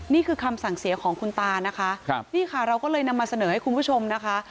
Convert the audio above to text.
นี่คือคำสั่งเสียของคุณตานะคะครับนี่ค่ะเราก็เลยนำมาเสนอให้คุณผู้ชมนะคะ